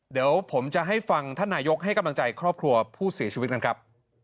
เดี๋ยวผมจะให้ฟังท่านนายกให้กำลังใจครอบครัวผู้เสียชีวิตกันครับ